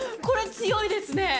これ強いですね。